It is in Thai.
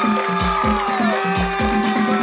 มาร่าเพลง